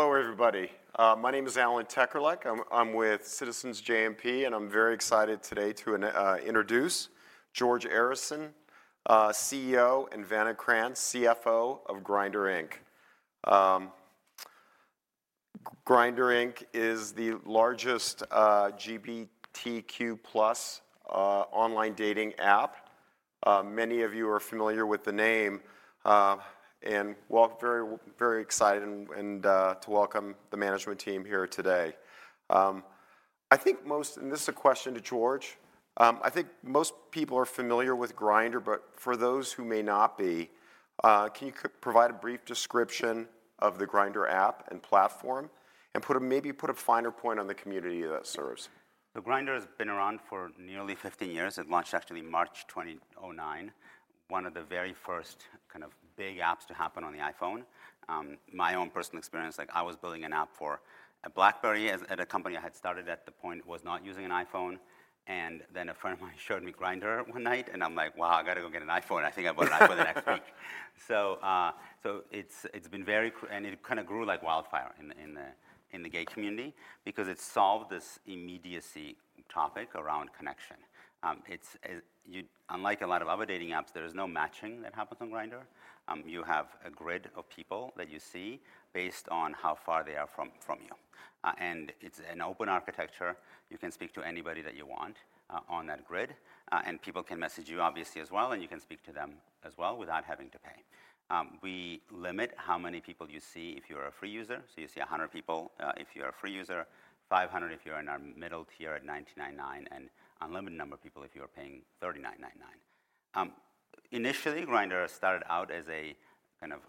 Hello, everybody. My name is Alan Tekerlek. I'm with Citizens JMP, and I'm very excited today to introduce George Arison, CEO, and Vanna Krantz, CFO of Grindr, Inc. Grindr, Inc. is the largest GBTQ+ online dating app. Many of you are familiar with the name. Well, very, very excited to welcome the management team here today. I think most, and this is a question to George, I think most people are familiar with Grindr, but for those who may not be, can you provide a brief description of the Grindr app and platform, and put a maybe finer point on the community that it serves? So Grindr has been around for nearly 15 years. It launched actually March 2009, one of the very first kind of big apps to happen on the iPhone. My own personal experience, like, I was building an app for a BlackBerry at a company I had started at the point, was not using an iPhone. And then a friend of mine showed me Grindr one night, and I'm like, "Wow, I gotta go get an iPhone." "I think I'll buy an iPhone next week." So, it's been and it kind of grew like wildfire in the gay community because it solved this immediacy topic around connection. It's unlike a lot of other dating apps, there is no matching that happens on Grindr. You have a grid of people that you see based on how far they are from you. And it's an open architecture, you can speak to anybody that you want on that grid. And people can message you obviously as well, and you can speak to them as well without having to pay. We limit how many people you see if you're a free user, so you see 100 people if you're a free user, 500 if you're in our middle tier at $19.99, and unlimited number of people if you are paying $39.99. Initially, Grindr started out as a kind of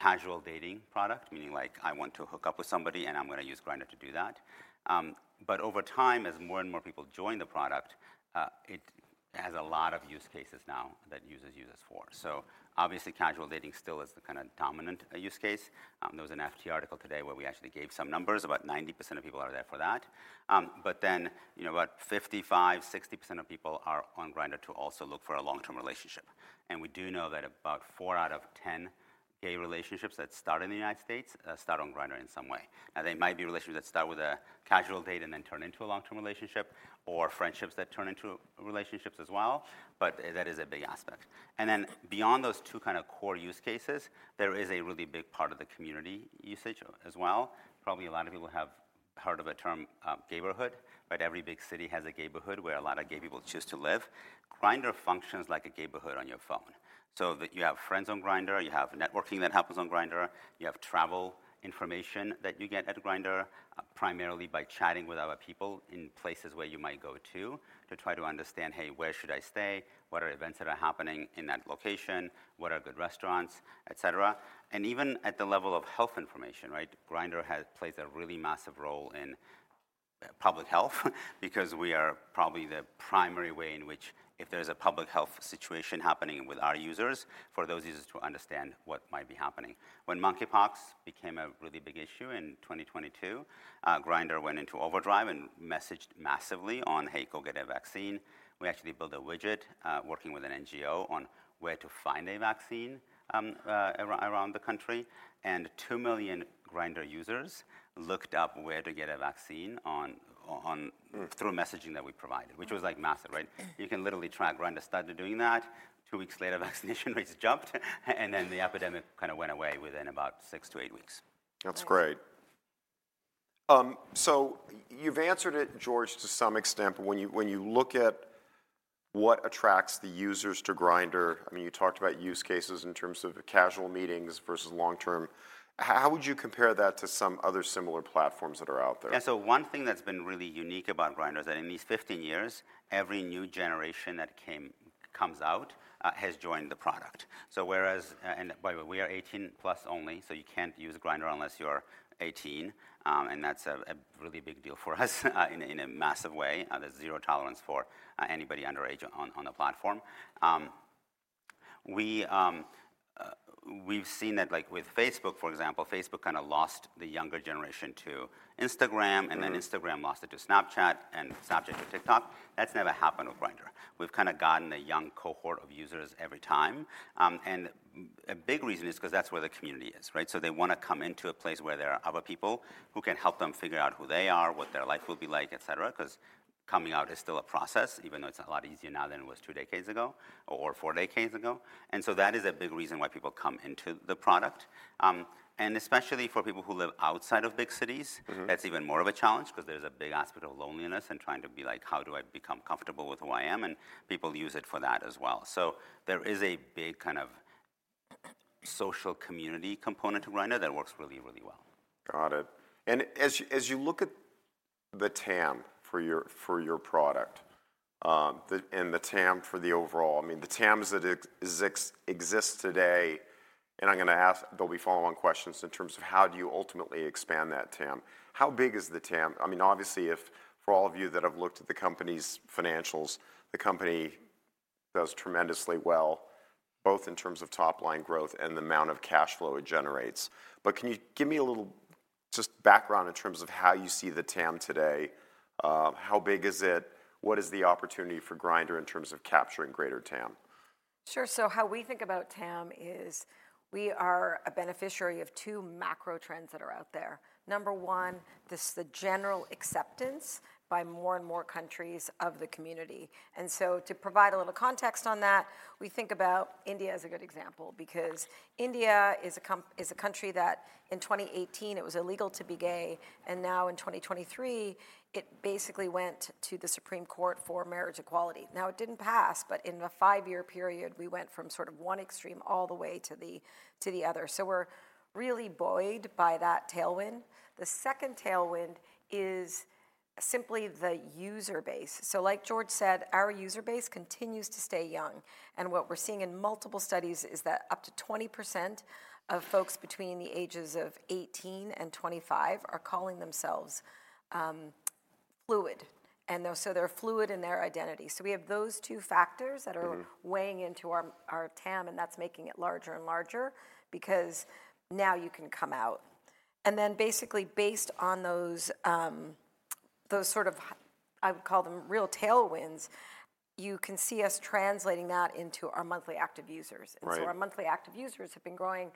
casual dating product, meaning, like, I want to hook up with somebody, and I'm gonna use Grindr to do that. But over time, as more and more people joined the product, it has a lot of use cases now that users use us for. So obviously, casual dating still is the kind of dominant use case. There was an FT article today where we actually gave some numbers, about 90% of people are there for that. But then, you know what? 55%-60% of people are on Grindr to also look for a long-term relationship, and we do know that about four out of 10 gay relationships that start in the United States start on Grindr in some way. Now, they might be relationships that start with a casual date and then turn into a long-term relationship, or friendships that turn into relationships as well, but that is a big aspect. And then beyond those two kind of core use cases, there is a really big part of the community usage as well. Probably a lot of people have heard of a term, gayborhood, right? Every big city has a gayborhood where a lot of gay people choose to live. Grindr functions like a gayborhood on your phone, so that you have friends on Grindr, you have networking that happens on Grindr, you have travel information that you get at Grindr, primarily by chatting with other people in places where you might go to, to try to understand, Hey, where should I stay? What are events that are happening in that location? What are good restaurants, et cetera. And even at the level of health information, right? Grindr plays a really massive role in public health, because we are probably the primary way in which if there's a public health situation happening with our users, for those users to understand what might be happening. When monkeypox became a really big issue in 2022, Grindr went into overdrive and messaged massively on, "Hey, go get a vaccine." We actually built a widget working with an NGO on where to find a vaccine around the country, and 2 million Grindr users looked up where to get a vaccine through messaging that we provided, which was, like, massive, right? You can literally track Grindr started doing that, two weeks later, vaccination rates jumped, and then the epidemic kind of went away within about six to eight weeks. That's great. So you've answered it, George, to some extent, but when you, when you look at what attracts the users to Grindr, I mean, you talked about use cases in terms of casual meetings versus long-term. How would you compare that to some other similar platforms that are out there? Yeah, so one thing that's been really unique about Grindr is that in these 15 years, every new generation that comes out, has joined the product. So whereas, and by the way, we are 18+ only, so you can't use Grindr unless you're 18, and that's a really big deal for us in a massive way. There's zero tolerance for anybody underage on the platform. We've seen that, like with Facebook, for example, Facebook kind of lost the younger generation to Instagram and then Instagram lost it to Snapchat, and Snapchat to TikTok. That's never happened with Grindr. We've kind of gotten a young cohort of users every time. And a big reason is 'cause that's where the community is, right? So they wanna come into a place where there are other people who can help them figure out who they are, what their life will be like, et cetera, 'cause coming out is still a process, even though it's a lot easier now than it was two decades ago or four decades ago. And so that is a big reason why people come into the product. And especially for people who live outside of big cities that's even more of a challenge, 'cause there's a big aspect of loneliness and trying to be like: How do I become comfortable with who I am? And people use it for that as well. So there is a big kind of social community component to Grindr that works really, really well. Got it. And as you look at the TAM for your product, and the TAM for the overall, I mean, the TAMs that exist today, and I'm gonna ask, there'll be follow-on questions in terms of how do you ultimately expand that TAM? How big is the TAM? I mean, obviously, for all of you that have looked at the company's financials, the company does tremendously well, both in terms of top-line growth and the amount of cash flow it generates. But can you give me a little just background in terms of how you see the TAM today? How big is it? What is the opportunity for Grindr in terms of capturing greater TAM? Sure, so how we think about TAM is we are a beneficiary of two macro trends that are out there. Number one, this, the general acceptance by more and more countries of the community. And so to provide a little context on that, we think about India as a good example, because India is a country that in 2018 it was illegal to be gay, and now in 2023, it basically went to the Supreme Court for marriage equality. Now, it didn't pass, but in a five-year period we went from sort of one extreme all the way to the other. So we're really buoyed by that tailwind. The second tailwind is simply the user base. So like George said, our user base continues to stay young, and what we're seeing in multiple studies is that up to 20% of folks between the ages of 18 and 25 are calling themselves fluid, and so they're fluid in their identity. So we have those two factors that are weighing into our TAM, and that's making it larger and larger because now you can come out. And then basically based on those, those sort of, I would call them real tailwinds, you can see us translating that into our monthly active users. Right. And so our monthly active users have been growing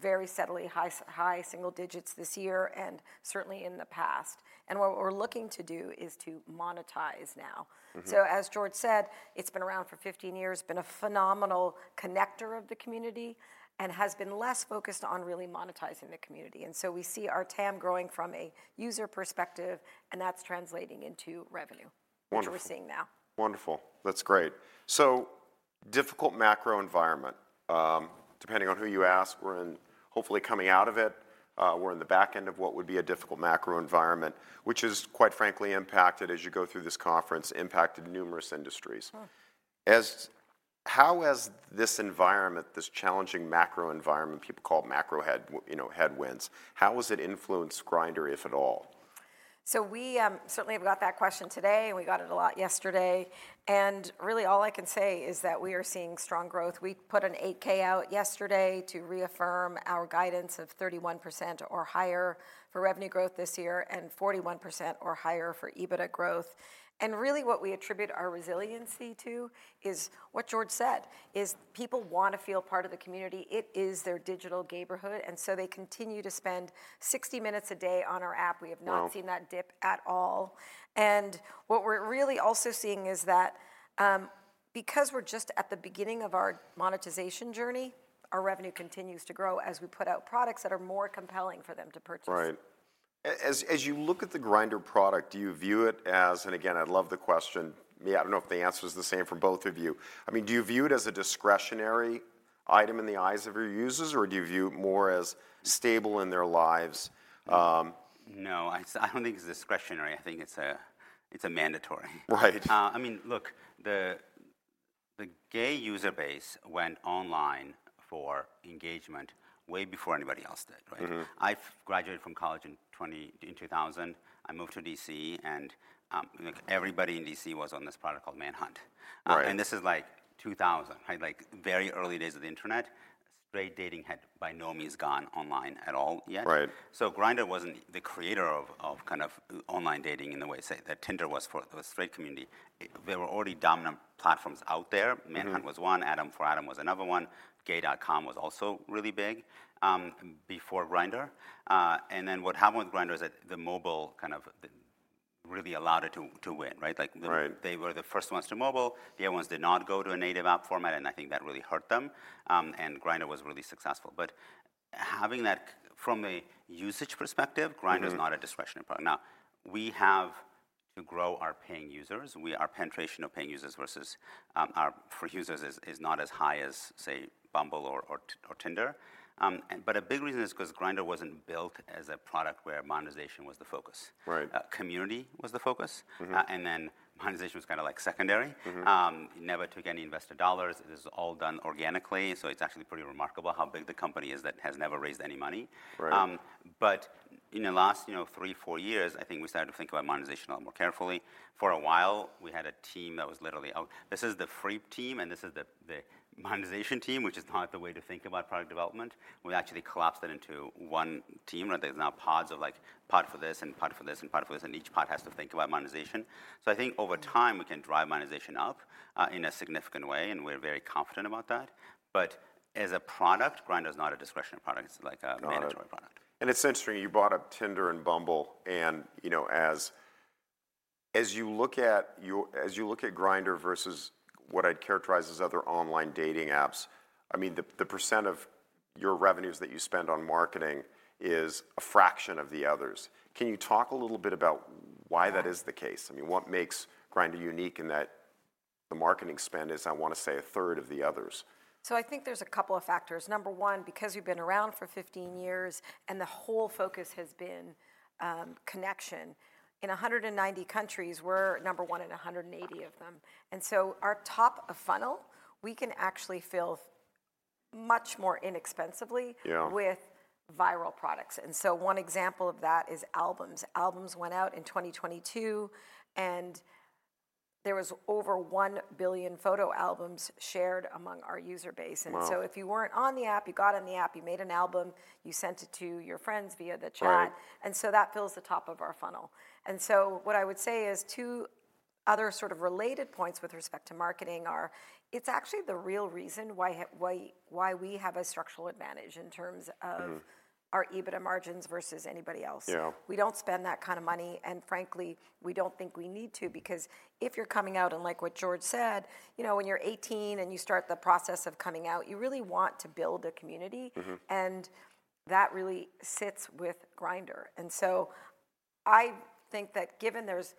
very steadily, high single digits this year and certainly in the past, and what we're looking to do is to monetize now. So, as George said, it's been around for 15 years, been a phenomenal connector of the community, and has been less focused on really monetizing the community. And so we see our TAM growing from a user perspective, and that's translating into revenue, which we're seeing now. Wonderful. That's great. So, difficult macro environment, depending on who you ask, we're in, hopefully, coming out of it. We're in the back end of what would be a difficult macro environment, which has quite frankly impacted, as you go through this conference, impacted numerous industries. How has this environment, this challenging macro environment, people call it macro headwinds, you know, how has it influenced Grindr, if at all? So we certainly have got that question today, and we got it a lot yesterday, and really all I can say is that we are seeing strong growth. We put an 8-K out yesterday to reaffirm our guidance of 31% or higher for revenue growth this year and 41% or higher for EBITDA growth. And really what we attribute our resiliency to is what George said, is people wanna feel part of the community. It is their digital gayborhood, and so they continue to spend 60 minutes a day on our app. Wow! We have not seen that dip at all. What we're really also seeing is that, because we're just at the beginning of our monetization journey, our revenue continues to grow as we put out products that are more compelling for them to purchase. Right. As you look at the Grindr product, do you view it as, and again, I love the question. Yeah, I don't know if the answer is the same for both of you. I mean, do you view it as a discretionary item in the eyes of your users, or do you view it more as stable in their lives? No, I don't think it's discretionary. I think it's a mandatory. Right. I mean, look, the gay user base went online for engagement way before anybody else did, right? I graduated from college in 2000. I moved to D.C., and, like, everybody in D.C. was on this product called Manhunt. Right. This is like 2000, right? Like, very early days of the internet. Straight dating had by no means gone online at all yet. Right. So Grindr wasn't the creator of kind of online dating in the way, say, that Tinder was for the straight community. There were already dominant platforms out there. Manhunt was one, Adam4Adam was another one. Gay.com was also really big before Grindr. And then what happened with Grindr is that the mobile kind of really allowed it to win, right? Like they were the first ones to mobile. The other ones did not go to a native app format, and I think that really hurt them. Grindr was really successful. But having that from a usage perspective, Grindr is not a discretionary product. Now, we have to grow our paying users. We, our penetration of paying users versus our free users is not as high as, say, Bumble or Tinder. But a big reason is because Grindr wasn't built as a product where monetization was the focus. Right. Community was the focus. And then monetization was kind of like secondary. It never took any investor dollars. It is all done organically, so it's actually pretty remarkable how big the company is that has never raised any money. Right. But in the last, you know, three to four years, I think we started to think about monetization a lot more carefully. For a while, we had a team that was literally, "Oh, this is the free team, and this is the, the monetization team," which is not the way to think about product development. We actually collapsed it into one team, and there's now pods of like pod for this and pod for this and pod for this, and each pod has to think about monetization. So I think over time we can drive monetization up in a significant way, and we're very confident about that. But as a product, Grindr is not a discretionary product, it's like a mandatory product. It's interesting you brought up Tinder and Bumble and, you know, as you look at Grindr versus what I'd characterize as other online dating apps. I mean, the percent of your revenues that you spend on marketing is a fraction of the others. Can you talk a little bit about why that is the case? I mean, what makes Grindr unique in that the marketing spend is, I wanna say, a third of the others? I think there's a couple of factors. Number one, because we've been around for 15 years and the whole focus has been connection. In 190 countries, we're number one in 180 of them. Our top of funnel, we can actually fill much more inexpensively with viral products. And so one example of that is Albums. Albums went out in 2022, and there was over 1 billion photo albums shared among our user base. Wow! If you weren't on the app, you got on the app, you made an album, you sent it to your friends via the chat. Right. That fills the top of our funnel. What I would say is two other sort of related points with respect to marketing are, it's actually the real reason why we have a structural advantage in terms of our EBITDA margins versus anybody else. Yeah. We don't spend that kind of money, and frankly, we don't think we need to, because if you're coming out, and like what George said, you know, when you're 18 and you start the process of coming out, you really want to build a community. That really sits with Grindr. So I think that given there's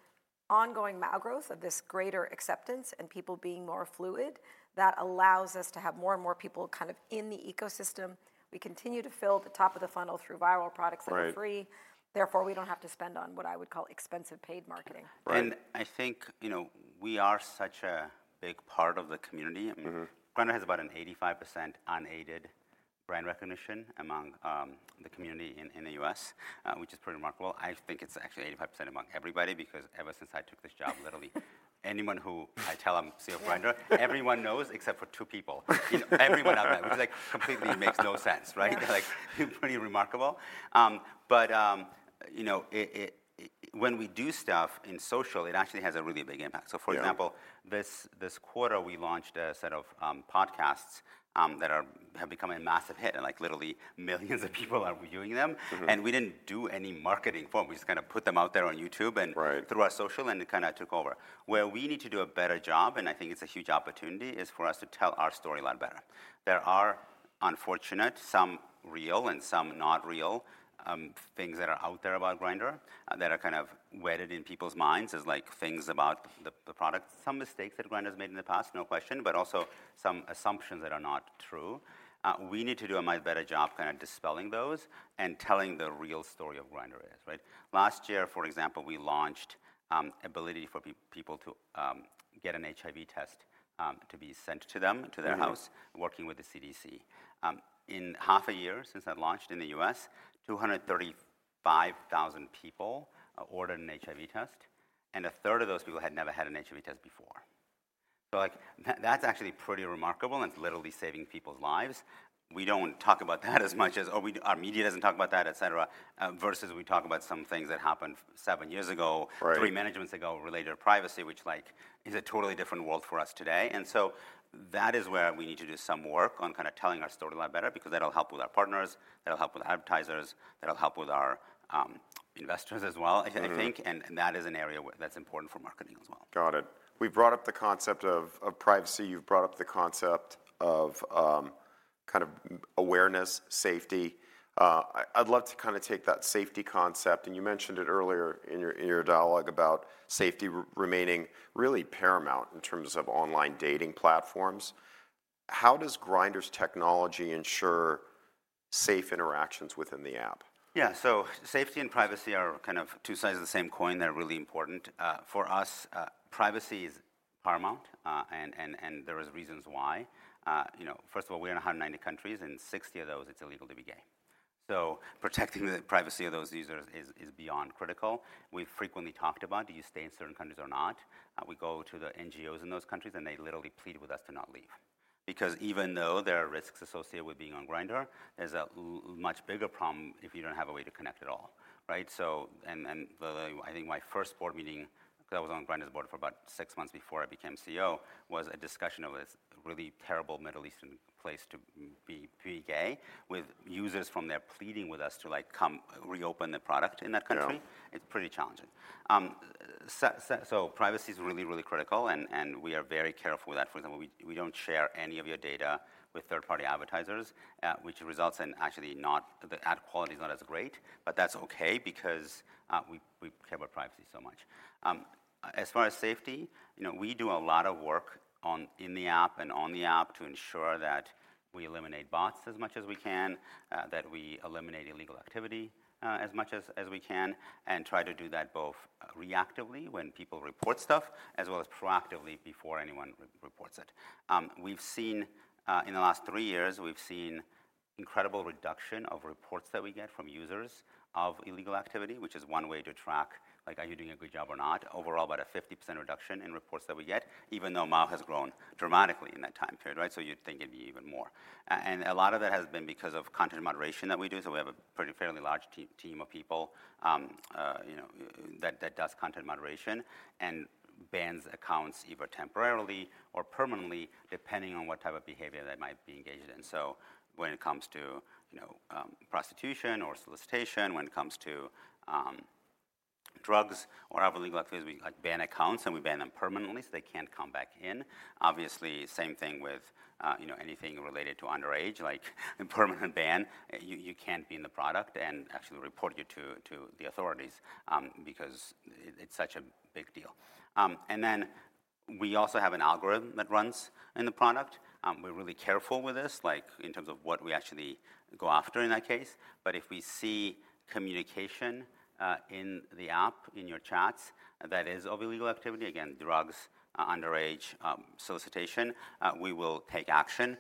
ongoing macro growth of this greater acceptance and people being more fluid, that allows us to have more and more people kind of in the ecosystem. We continue to fill the top of the funnel through viral products that are free therefore we don't have to spend on what I would call expensive paid marketing. Right. I think, you know, we are such a big part of the community. Grindr has about an 85% unaided brand recognition among, the community in, in the U.S., which is pretty remarkable. I think it's actually 85% among everybody, because ever since I took this job, literally anyone who I tell them, "See you on Grindr," everyone knows except for two people. Everyone knows, like, completely makes no sense, right? Like, pretty remarkable. But, you know, it, it, when we do stuff in social, it actually has a really big impact. Yeah. For example, this quarter we launched a set of podcasts that have become a massive hit, and like literally millions of people are viewing them. We didn't do any marketing for them. We just kind of put them out there on YouTube andthrough our social, and it kind of took over. Where we need to do a better job, and I think it's a huge opportunity, is for us to tell our story a lot better. There are unfortunate, some real and some not real, things that are out there about Grindr, that are kind of wedded in people's minds as like things about the product. Some mistakes that Grindr has made in the past, no question, but also some assumptions that are not true. We need to do a much better job kind of dispelling those and telling the real story of Grindr is, right? Last year, for example, we launched ability for people to get an HIV test to be sent to them, to their house working with the CDC. In half a year since that launched in the U.S., 235,000 people ordered an HIV test, and a third of those people had never had an HIV test before. So like, that, that's actually pretty remarkable, and it's literally saving people's lives. We don't talk about that as much as, or we, our media doesn't talk about that, et cetera, versus we talk about some things that happened seven years ago three managements ago related to privacy, which like, is a totally different world for us today. And so that is where we need to do some work on kind of telling our story a lot better, because that'll help with our partners, that'll help with advertisers, that'll help with our investors as well, I think. that is an area where that's important for marketing as well. Got it. We've brought up the concept of privacy. You've brought up the concept of kind of awareness, safety. I'd love to kind of take that safety concept, and you mentioned it earlier in your dialogue about safety remaining really paramount in terms of online dating platforms. How does Grindr's technology ensure safe interactions within the app? Yeah, so safety and privacy are kind of two sides of the same coin. They're really important. For us, privacy is paramount, and there is reasons why. You know, first of all, we're in 190 countries, in 60 of those, it's illegal to be gay. So protecting the privacy of those users is beyond critical. We've frequently talked about, do you stay in certain countries or not? We go to the NGOs in those countries, and they literally plead with us to not leave. Because even though there are risks associated with being on Grindr, there's a much bigger problem if you don't have a way to connect at all, right? I think my first board meeting, because I was on Grindr's board for about six months before I became CEO, was a discussion of a really terrible Middle Eastern place to be gay, with users from there pleading with us to, like, come reopen the product in that country. Yeah. It's pretty challenging. So privacy is really, really critical and we are very careful with that. For example, we don't share any of your data with third-party advertisers, which results in actually not the ad quality is not as great, but that's okay, because we care about privacy so much. As far as safety, you know, we do a lot of work on, in the app and on the app to ensure that we eliminate bots as much as we can, that we eliminate illegal activity as much as we can, and try to do that both reactively, when people report stuff, as well as proactively, before anyone reports it. We've seen, in the last three years, we've seen incredible reduction of reports that we get from users of illegal activity, which is one way to track, like, are you doing a good job or not? Overall, about a 50% reduction in reports that we get, even though MAU has grown dramatically in that time period, right? So you'd think it'd be even more. And a lot of that has been because of content moderation that we do, so we have a pretty fairly large team of people, you know, that does content moderation, and bans accounts either temporarily or permanently, depending on what type of behavior they might be engaged in. So when it comes to, you know, prostitution or solicitation, when it comes to, drugs or other illegal activities, we, like, ban accounts and we ban them permanently so they can't come back in. Obviously, same thing with, you know, anything related to underage, like a permanent ban. You, you can't be in the product, and actually report you to, to the authorities, because it's such a big deal. And then we also have an algorithm that runs in the product. We're really careful with this, like, in terms of what we actually go after in that case. But if we see communication, in the app, in your chats, that is of illegal activity, again, drugs, underage, solicitation, we will take action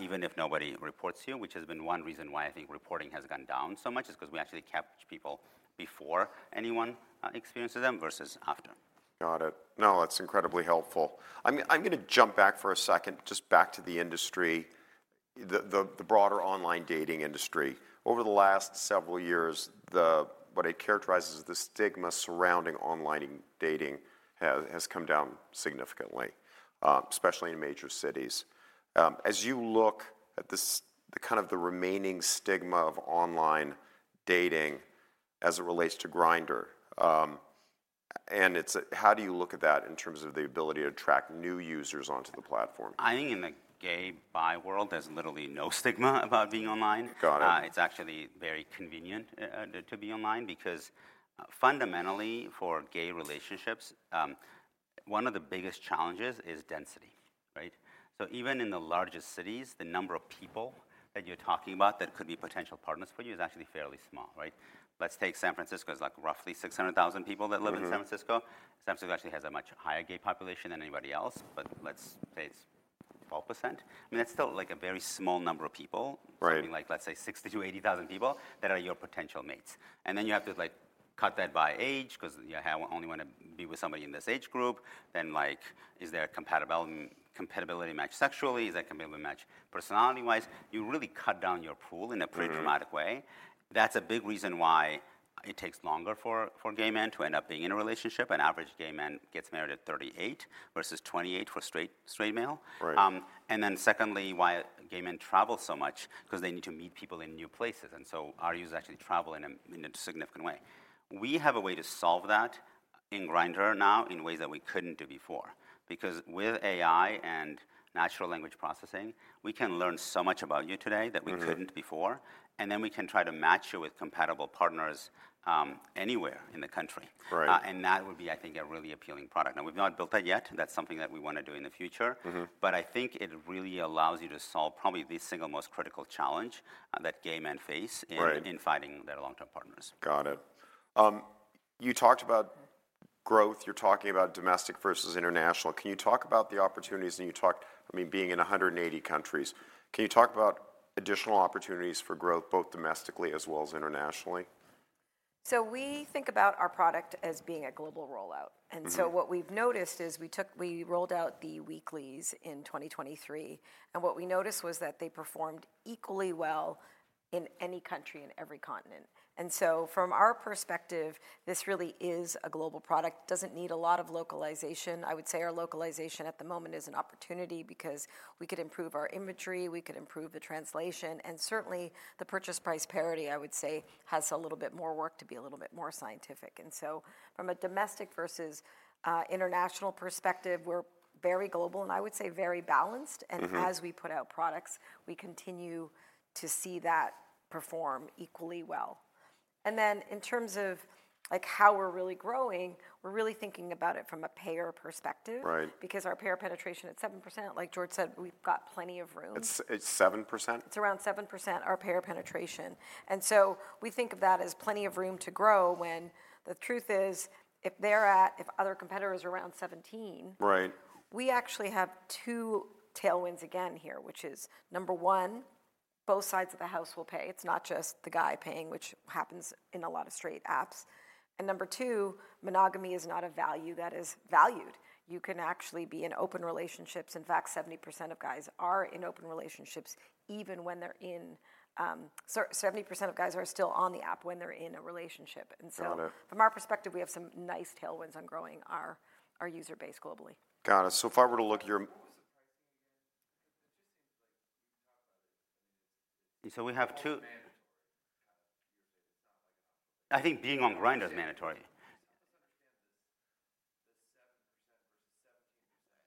even if nobody reports you, which has been one reason why I think reporting has gone down so much, is because we actually catch people before anyone experiences them versus after. Got it. No, it's incredibly helpful. I'm gonna jump back for a second, just back to the industry, the broader online dating industry. Over the last several years, what I characterize as the stigma surrounding online dating has come down significantly, especially in major cities. As you look at the kind of the remaining stigma of online dating as it relates to Grindr, and it's, how do you look at that in terms of the ability to attract new users onto the platform? I think in the gay, bi world, there's literally no stigma about being online. Got it. It's actually very convenient to be online, because fundamentally, for gay relationships, one of the biggest challenges is density, right? So even in the largest cities, the number of people that you're talking about that could be potential partners for you is actually fairly small, right? Let's take San Francisco, it's like roughly 600,000 people that live in San Francisco. San Francisco actually has a much higher gay population than anybody else, but let's say it's 12%. I mean, that's still, like, a very small number of people. Right. I mean, like, let's say 60,000-80,000 people that are your potential mates. And then you have to, like, cut that by age, 'cause you only wanna be with somebody in this age group. Then, like, is there a compatibility match sexually? Is there compatibility match personality-wise? You really cut down your pool in a pretty dramatic way. That's a big reason why it takes longer for gay men to end up being in a relationship. An average gay man gets married at 38 versus 28 for straight male. Right. And then secondly, why gay men travel so much, 'cause they need to meet people in new places, and so our users actually travel in a significant way. We have a way to solve that in Grindr now in ways that we couldn't do before. Because with AI and natural language processing, we can learn so much about you today that we couldn't before, and then we can try to match you with compatible partners, anywhere in the country. Right. That would be, I think, a really appealing product. Now, we've not built that yet. That's something that we wanna do in the future. But I think it really allows you to solve probably the single most critical challenge that gay men face in finding their long-term partners. Got it. You talked about growth, you're talking about domestic versus international. Can you talk about the opportunities, and you talked, I mean, being in 180 countries. Can you talk about additional opportunities for growth, both domestically as well as internationally? We think about our product as being a global rollout. And so what we've noticed is we rolled out the Weeklies in 2023, and what we noticed was that they performed equally well in any country in every continent. And so from our perspective, this really is a global product, doesn't need a lot of localization. I would say our localization at the moment is an opportunity, because we could improve our imagery, we could improve the translation, and certainly, the Purchase Price Parity, I would say, has a little bit more work to be a little bit more scientific. And so from a domestic versus international perspective, we're very global, and I would say very balanced. As we put out products, we continue to see that perform equally well. Then in terms of, like, how we're really growing, we're really thinking about it from a payer perspective because our payer penetration at 7%, like George said, we've got plenty of room. It's 7%? It's around 7%, our payer penetration. And so we think of that as plenty of room to grow when the truth is, if other competitors are around 17%. Right We actually have two tailwinds again here, which is, number one, both sides of the house will pay, it's not just the guy paying, which happens in a lot of straight apps. And number two, monogamy is not a value that is valued. You can actually be in open relationships. In fact, 70% of guys are in open relationships, even when they're in, 70% of guys are still on the app when they're in a relationship. And so- Got it From our perspective, we have some nice tailwinds on growing our user base globally. Got it. So if I were to look at your-What was the pricing again? It just seems like you've talked about it, I mean, it's So we have two- It's mandatory, kind of, you're saying it's not like an optional. I think being on Grindr is mandatory.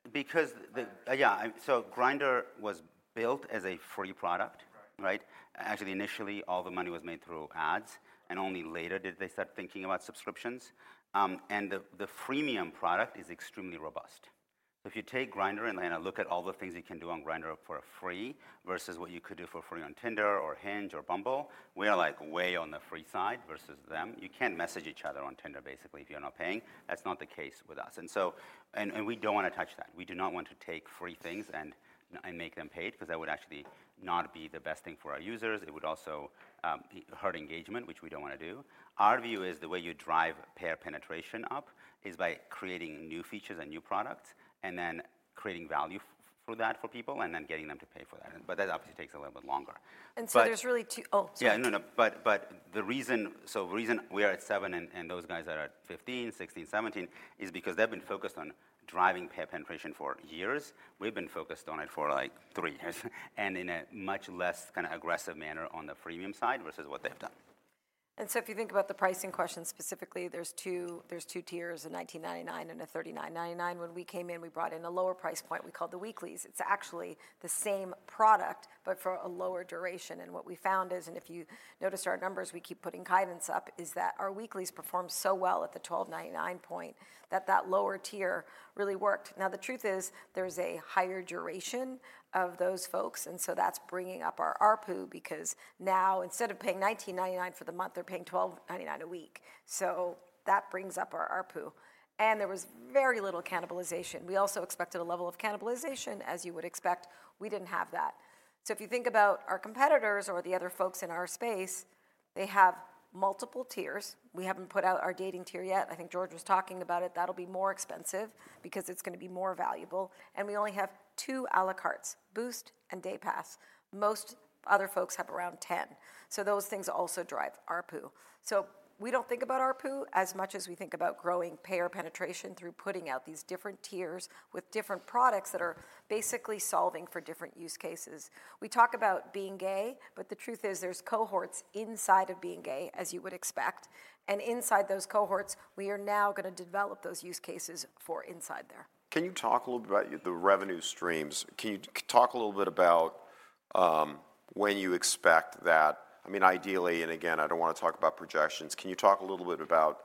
Help us understand this, the 7% versus 17%? Because the, yeah, so Grindr was built as a free product. Right. Right? Actually, initially, all the money was made through ads, and only later did they start thinking about subscriptions. The freemium product is extremely robust. If you take Grindr and then look at all the things you can do on Grindr for free, versus what you could do for free on Tinder or Hinge or Bumble, we are, like, way on the free side versus them. You can't message each other on Tinder basically if you're not paying, that's not the case with us. So, we don't wanna touch that. We do not want to take free things and make them paid, 'cause that would actually not be the best thing for our users. It would also hurt engagement, which we don't wanna do. Our view is the way you drive payer penetration up is by creating new features and new products, and then creating value for that for people, and then getting them to pay for that, but that obviously takes a little bit longer. And so- But- There's really two. Oh, sorry. The reason we are at seven and those guys are at 15, 16, 17 is because they've been focused on driving payer penetration for years. We've been focused on it for, like, three years and in a much less kind of aggressive manner on the freemium side, versus what they've done. If you think about the pricing question specifically, there's two, there's two tiers, a $19.99 and a $39.99. When we came in, we brought in a lower price point we called the weeklies. It's actually the same product, but for a lower duration. And what we found is, and if you noticed our numbers, we keep putting guidance up, is that our weeklies performed so well at the $12.99 point, that that lower tier really worked. Now, the truth is, there's a higher duration of those folks, and so that's bringing up our ARPU because now instead of paying $19.99 for the month, they're paying $12.99 a week. So that brings up our ARPU. And there was very little cannibalization. We also expected a level of cannibalization, as you would expect. We didn't have that. So if you think about our competitors or the other folks in our space. They have multiple tiers. We haven't put out our dating tier yet. I think George was talking about it. That'll be more expensive because it's gonna be more valuable, and we only have two à la carte, Boost and Day Pass. Most other folks have around 10, so those things also drive ARPU. So we don't think about ARPU as much as we think about growing payer penetration through putting out these different tiers with different products that are basically solving for different use cases. We talk about being gay, but the truth is, there's cohorts inside of being gay, as you would expect, and inside those cohorts, we are now gonna develop those use cases for inside there. Can you talk a little bit about the revenue streams? Can you talk a little bit about when you expect that? I mean, ideally, and again, I don't wanna talk about projections, can you talk a little bit about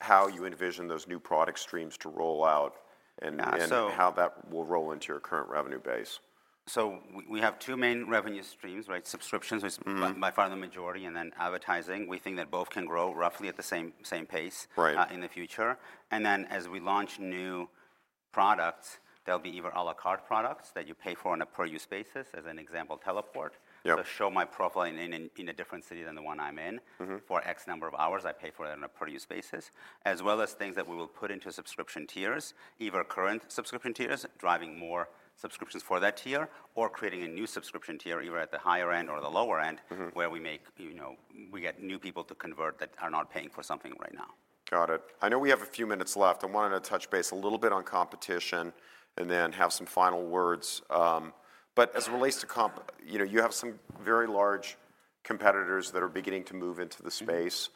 how you envision those new product streams to roll out and how that will roll into your current revenue base? So we have two main revenue streams, right? Subscriptions is by far the majority, and then advertising. We think that both can grow roughly at the same pace in the future, and then as we launch new products, they'll be either a la carte products that you pay for on a per-use basis, as an example, Teleport. Yep They'll show my profile in a different city than the one I'm in for X number of hours, I pay for it on a per-use basis. As well as things that we will put into subscription tiers, either current subscription tiers, driving more subscriptions for that tier, or creating a new subscription tier, either at the higher end or the lower end, where we make, you know, we get new people to convert that are not paying for something right now. Got it. I know we have a few minutes left. I wanted to touch base a little bit on competition and then have some final words. But as it relates to competition, you know, you have some very large competitors that are beginning to move into the space.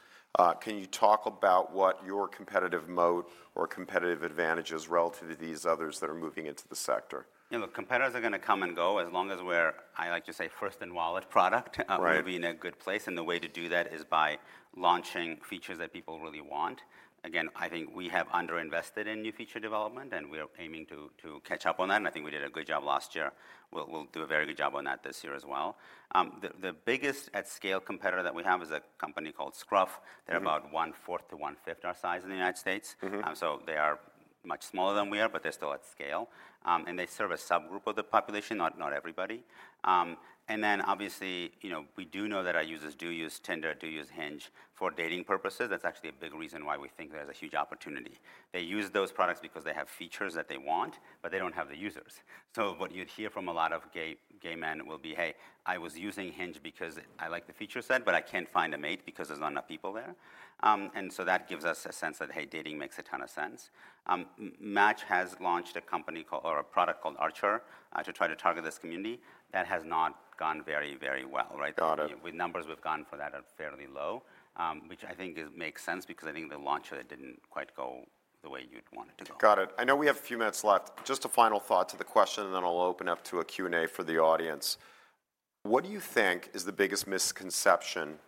Can you talk about what your competitive mode or competitive advantage is relative to these others that are moving into the sector? You know, competitors are gonna come and go as long as we're, I like to say, first in wallet product. Right We'll be in a good place, and the way to do that is by launching features that people really want. Again, I think we have underinvested in new feature development, and we are aiming to catch up on that, and I think we did a good job last year. We'll do a very good job on that this year as well. The biggest at-scale competitor that we have is a company called Scruff. They're about 1/4-1/5 our size in the United States. So they are much smaller than we are, but they're still at scale. And they serve a subgroup of the population, not everybody. And then obviously, you know, we do know that our users do use Tinder, do use Hinge for dating purposes. That's actually a big reason why we think there's a huge opportunity. They use those products because they have features that they want, but they don't have the users. So what you'd hear from a lot of gay, gay men will be, "Hey, I was using Hinge because I like the feature set, but I can't find a mate because there's not enough people there." And so that gives us a sense that, hey, dating makes a ton of sense. Match has launched a company called, or a product called Archer, to try to target this community. That has not gone very, very well, right? Got it. The numbers we've gotten for that are fairly low, which I think is makes sense because I think the launch of it didn't quite go the way you'd want it to go. Got it. I know we have a few minutes left. Just a final thought to the question, and then I'll open up to a Q&A for the audience. What do you think is the biggest misconception,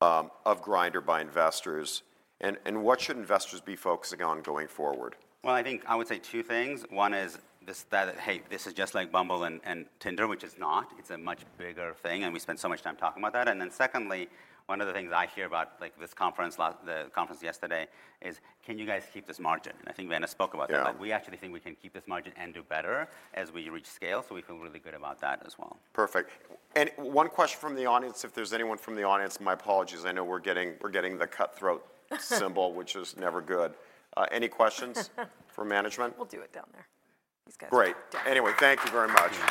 of Grindr by investors, and, and what should investors be focusing on going forward? Well, I think I would say two things. One is this, that, hey, this is just like Bumble and Tinder, which it's not. It's a much bigger thing, and we spent so much time talking about that. And then secondly, one of the things I hear about, like, this conference, the conference yesterday, is, "Can you guys keep this margin?" And I think Vanna spoke about that. Yeah. We actually think we can keep this margin and do better as we reach scale, so we feel really good about that as well. Perfect. One question from the audience, if there's anyone from the audience. My apologies, I know we're getting the cutthroat symbol, which is never good. Any questions for management? We'll do it down there. Great. Anyway, thank you very much.